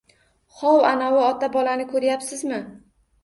Hov, anavi ota-bolani koʻryapsizmi?